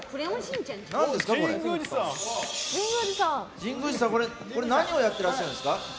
神宮寺さん、これ何をやってるんですか？